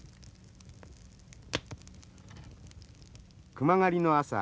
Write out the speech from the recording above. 熊狩りの朝。